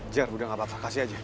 jar udah gak apa apa kasih aja